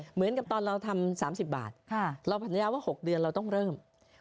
เหมือนกับตอนเราทำ๓๐บาทเราสัญญาว่า๖เดือนเราต้องเริ่ม